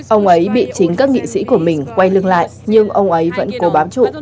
ông ấy bị chính các nghị sĩ của mình quay lưng lại nhưng ông ấy vẫn cố bám trụ